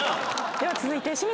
では続いて清水さん。